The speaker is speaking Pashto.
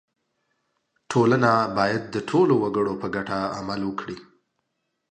• ټولنه باید د ټولو وګړو په ګټه عمل وکړي.